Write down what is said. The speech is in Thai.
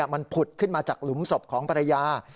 มันผุดขึ้นมาจากหลุมศพของภรรยา